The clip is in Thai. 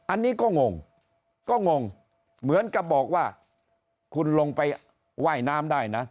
อันนี้ก็งงก็งงเหมือนกับบอกว่าคุณลงไปว่ายน้ำได้นะ